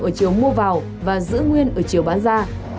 ở chiều mua vào và giữ nguyên ở chiều bán ra